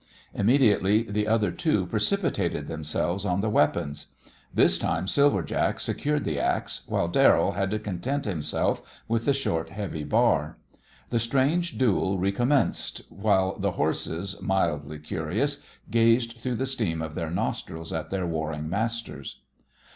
Immediately the other two precipitated themselves on the weapons. This time Silver Jack secured the axe, while Darrell had to content himself with the short, heavy bar. The strange duel recommenced, while the horses, mildly curious, gazed through the steam of their nostrils at their warring masters.